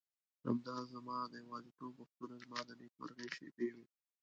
همدا زما د یوازیتوب وختونه زما د نېکمرغۍ شېبې وې.